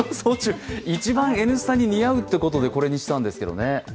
一番「Ｎスタ」に似合うということで、これにしたんですけどね。